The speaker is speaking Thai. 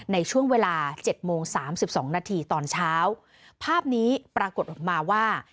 ในช่วงเวลา๗โมง๓๒นาทีตอนเช้าภาพนี้ปรากฏออกมาว่า